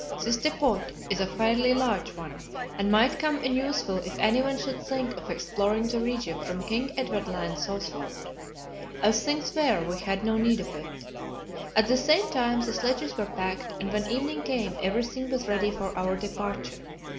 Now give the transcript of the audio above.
This depot is a fairly large one, and might come in useful if anyone should think of exploring the region from King Edward Land southward. As things were, we had no need of it. At the same time the sledges were packed, and when evening came everything was ready for our departure.